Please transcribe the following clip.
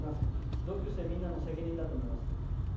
同級生みんなの責任だと思います。